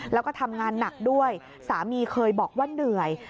แล้วก็ทำงานหนักด้วยสามีเคยบอกว่าเหนื่อย